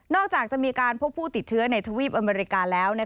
จากจะมีการพบผู้ติดเชื้อในทวีปอเมริกาแล้ว